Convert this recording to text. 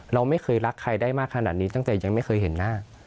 เราไม่เคยรักใครได้มากขนาดนี้ตั้งแต่ยังไม่เคยเห็นหน้า